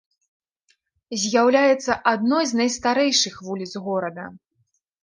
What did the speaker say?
З'яўляецца адной з найстарэйшых вуліц горада.